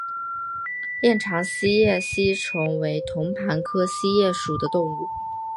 链肠锡叶吸虫为同盘科锡叶属的动物。